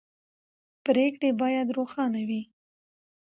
پرېکړې باید روښانه وي